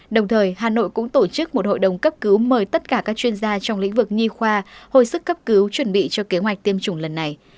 đồng thời hà nội cũng tổ chức một hội đồng cấp cứu mời tất cả các chuyên gia trong lĩnh vực nhi khoa hồi sức cấp cứu chuẩn bị cho kế hoạch tiêm chủng lần này